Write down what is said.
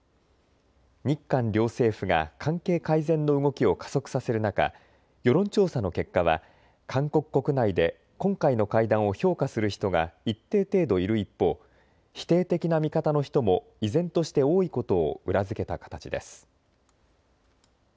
日韓両政府が関係改善の動きを加速させる中、世論調査の結果は韓国国内で今回の会談を評価する人が一定程度いる一方、否定的な見方の人も依然として多いことを裏付けた形です。